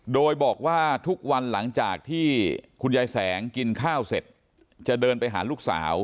โดยบอกว่าทุกวันหลังจากที่คุณยายแสงกินข้าวเสร็จจะเดินไปหาลูกสาว